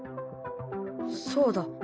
そうだ。